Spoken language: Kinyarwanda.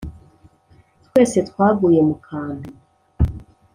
twese twaguye mu kantu